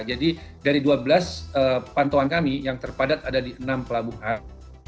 dari dua belas pantauan kami yang terpadat ada di enam pelabuhan